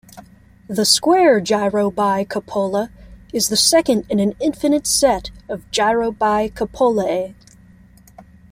The "square gyrobicupola" is the second in an infinite set of gyrobicupolae.